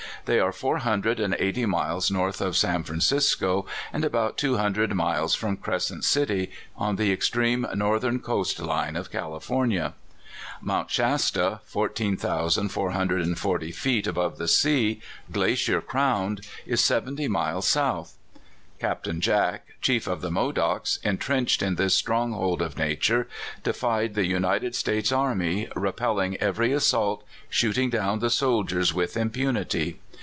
They are four hundred and eighty miles north of San Francisco, and about two hundred miles from Crescent City, on the extreme northern coast line of California. Mount Shasta, 14,440 feet above the sea, glacier crowned, is seventy miles south. Caj^tain Jack, chief of the Modocs, intrenched in this stronghold of nature, defied the United States army, repelling every assault, shooting down the soldiers with impu nity.